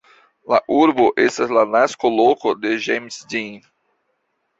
La urbo estas la nasko-loko de James Dean.